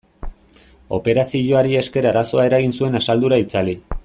Operazioari esker arazoa eragin zuen asaldura itzali.